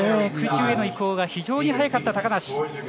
空中への移行が非常に早かった、高梨。